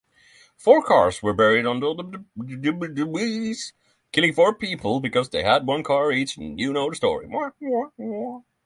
Four cars were buried under the debris, killing four people.